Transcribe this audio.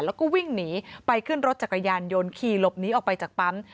แล้วก็วิ่งหนีไปขึ้นรถจักรยานยนต์ขี่หลบหนีออกไปจากปั๊ม